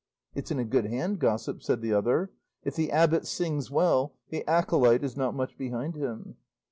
'It's in a good hand, gossip,' said the other; 'if the abbot sings well, the acolyte is not much behind him.